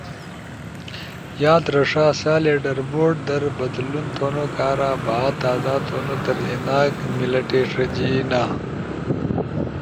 یاد رݜا سا لیڈر بورڈ در بدلون تھونو کارا بھا تازہ تھونو در ایناک منلٹی ݜجینا۔